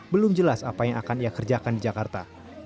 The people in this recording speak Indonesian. belum jelas apa yang akan ia kerjakan di jakarta